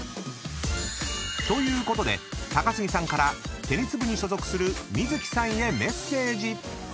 ［ということで高杉さんからテニス部に所属する美月さんへメッセージ］